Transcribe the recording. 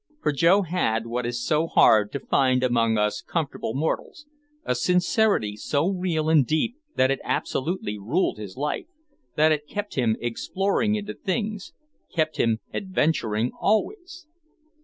For Joe had what is so hard to find among us comfortable mortals, a sincerity so real and deep that it absolutely ruled his life, that it kept him exploring into things, kept him adventuring always.